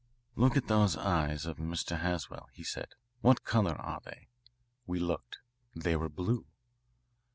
"Look at those eyes of Mr. Haswell," he said. "What colour are they?" We looked. They were blue.